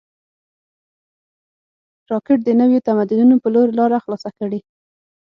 راکټ د نویو تمدنونو په لور لاره خلاصه کړې